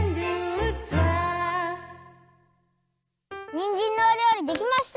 にんじんのおりょうりできました！